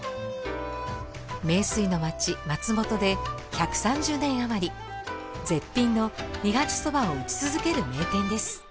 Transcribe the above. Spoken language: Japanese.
名水の街松本で１３０年余り絶品の二八そばを打ち続ける名店です。